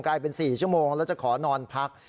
กลายเป็น๔ชั่วโมงแล้วจะขอนอนพัก